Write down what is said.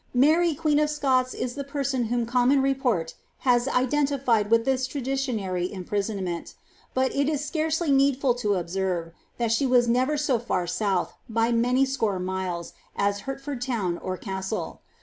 Mary m of Scots is the person whom common report has identified with traditionary imprisonment; but it is scarcely needful to observe, the was never so far south, by many score miles, as Hertford town Bstle.